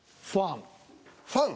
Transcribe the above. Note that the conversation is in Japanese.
ファン？